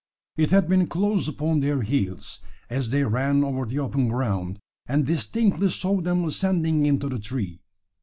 It had been close upon their heels, as they ran over the open ground, and distinctly saw them ascending into the tree.